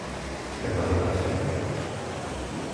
Preparou o café?